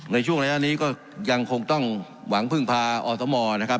ในช่วงระยะนี้ก็ยังคงต้องหวังพึ่งพาอสมนะครับ